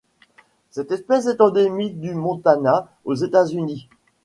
Cette espèce est endémique du Montana aux États-Unis.